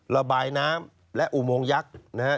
ระบายน้ำและอุโมงยักษ์นะฮะ